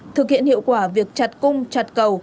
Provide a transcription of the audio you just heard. thực hiện hiệu quả việc chặt cung chặt cầu